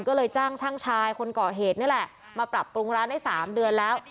ก็เลยจ้างช่างชายคนเกาะเหตุนี่แหละมาปรับปรุงร้านได้๓เดือนแล้ว